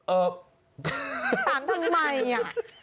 เอ่อถามทำไมอ่ะ